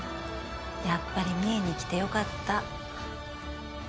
やっぱり三重に来てよかった